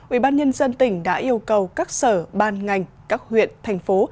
ủy ban nhân dân tỉnh đã yêu cầu các sở ban ngành các huyện thành phố